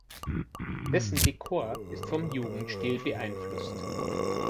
Dessen Dekor ist vom Jugendstil beeinflusst.